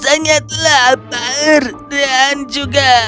sekarang kebetulan ketika mereka berbicara